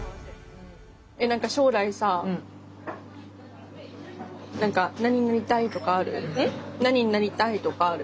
何か将来さ何になりたいとかある？